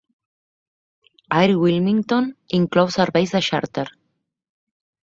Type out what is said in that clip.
Air Wilmington inclou serveis de xàrter.